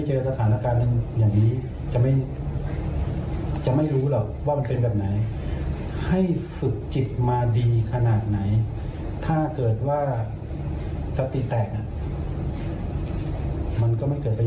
จะคุ้มคิดอยู่ตลอดจะคุ้มคิดอยู่ตลอด